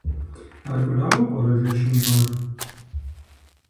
Армырауэ пӀэрэ жэщым гъар?